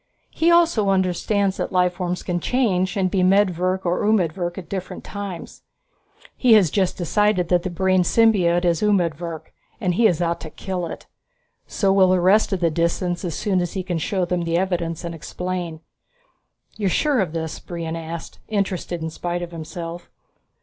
He also understands that life forms can change, and be medvirk or umedvirk at different times. He has just decided that the brain symbiote is umedvirk and he is out to kill it. So will the rest of the Disans as soon as he can show them the evidence and explain." "You're sure of this?" Brion asked, interested in spite of himself.